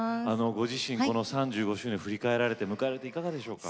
ご自身この３５周年振り返られて迎えられていかがでしょうか。